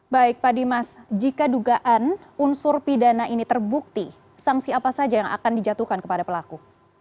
baik pak dimas jika dugaan unsur pidana ini terbukti sanksi apa saja yang akan dijatuhkan kepada pelaku